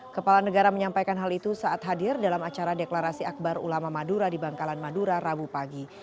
kepala negara menyampaikan hal itu saat hadir dalam acara deklarasi akbar ulama madura di bangkalan madura rabu pagi